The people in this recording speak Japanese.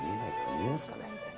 見えますかね。